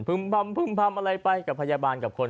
พำพึ่มพำอะไรไปกับพยาบาลกับคน